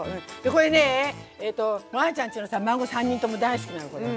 これねぇあちゃんちのさ孫３人とも大好きなのこれ。